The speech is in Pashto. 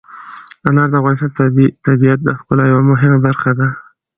انار د افغانستان د طبیعت د ښکلا یوه مهمه برخه ده.